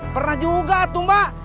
pernah juga tuh mbak